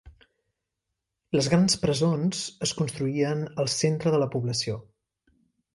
Les grans presons es construïen al centre de la població.